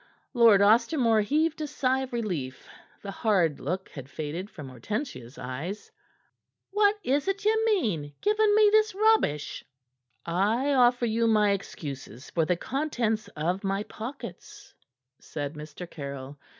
Lord Ostermore heaved a sigh of relief; the hard look had faded from Hortensia's eyes. "What is't ye mean, giving me this rubbish?" "I offer you my excuses for the contents of my pockets," said Mr. Caryll.